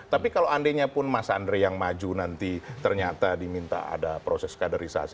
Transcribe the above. tapi kalau andainya pun mas andre yang maju nanti ternyata diminta ada proses kaderisasi